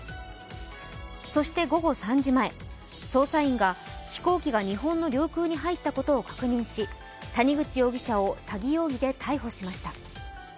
そして午後３時前、捜査員が飛行機が日本の領空に入ったことを確認し谷口容疑者を詐欺容疑で逮捕しました。